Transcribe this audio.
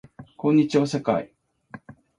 こんにちは世界